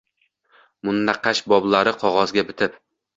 Munaqqash boblarni qog’ozga bitib